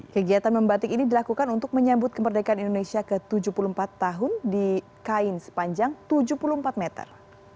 kegiatan membatik ini dilakukan untuk menyambut kemerdekaan indonesia ke tujuh puluh empat tahun di kain sepanjang tujuh puluh empat meter